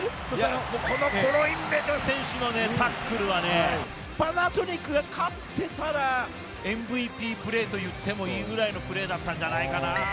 このタックルはね、パナソニックが勝ってたらＭＶＰプレーと言ってもいいぐらいのプレーだったんじゃないかな。